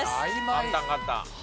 簡単簡単。